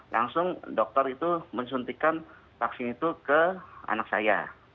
langsung dokter itu mensuntikan vaksin itu ke anak saya